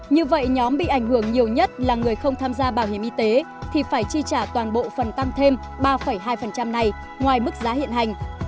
như vậy nhóm bị ảnh hưởng nhiều nhất là người không tham gia bảo hiểm y tế thì phải chi trả toàn bộ phần tăng thêm ba hai này ngoài mức giá hiện hành